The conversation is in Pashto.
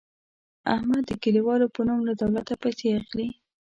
احمد د کلیوالو په نوم له دولته پیسې اخلي.